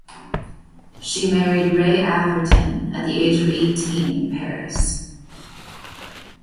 She married Ray Atherton at the age of eighteen in Paris.